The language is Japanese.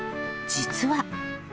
実は。